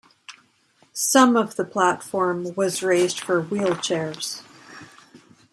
Some of the platform was raised for wheelchairs.